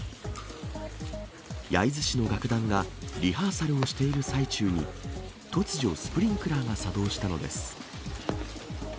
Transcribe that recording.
焼津市の楽団がリハーサルをしている最中に、突如、スプリンクラーが作動したのです。